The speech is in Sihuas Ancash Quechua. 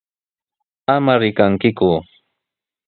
¡Ama rikankiku!